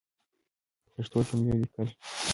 پښتو جملی لیکل